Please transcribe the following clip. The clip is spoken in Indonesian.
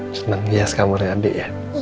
seneng lias kamarnya adik ya